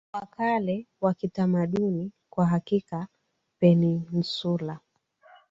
wa kale wa kitamaduni Kwa hakika peninsula